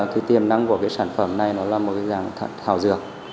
cái tiềm năng của cái sản phẩm này nó là một cái dạng thảo dược